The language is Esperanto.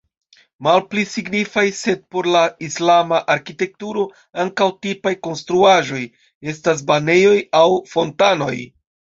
Malpli signifaj, sed por la islama arkitekturo ankaŭ tipaj konstruaĵoj, estas banejoj aŭ fontanoj.